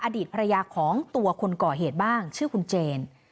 อดีตภรรยาของตัวคนก่อเหตุบ้างชื่อคุณเจน